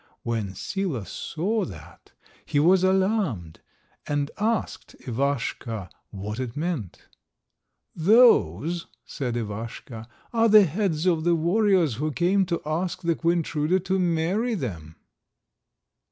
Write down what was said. When Sila saw that he was alarmed, and asked Ivaschka what it meant. "Those," said Ivaschka, "are the heads of the warriors who came to ask the Queen Truda to marry them."